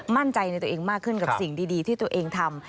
มั่นใจในตัวเองมากขึ้นกับสิ่งดีที่ตัวเองทำ